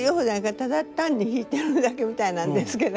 ただ単に弾いてるだけみたいなんですけど。